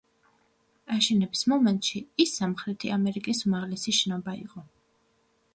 აშენების მომენტში ის სამხრეთი ამერიკის უმაღლესი შენობა იყო.